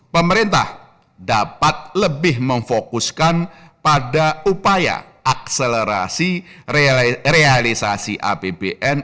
pemerintah dapat lebih memfokuskan pada upaya akselerasi realisasi apbn